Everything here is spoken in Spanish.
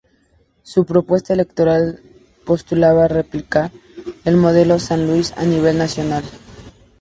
Su propuesta electoral postulaba replicar el modelo "San Luis" a nivel nacional.